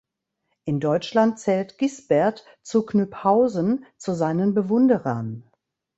In Deutschland zählt Gisbert zu Knyphausen zu seinen Bewunderern.